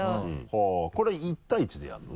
はぁこれ１対１でやるの？